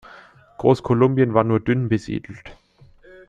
Großkolumbien war nur dünn besiedelt.